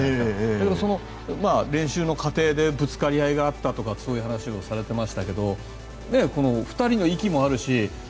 だけど、練習の過程でぶつかり合いがあったとかそういう話をされていましたが２人の息もあるし。